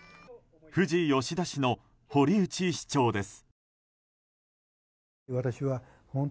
富士吉田市の堀内市長です。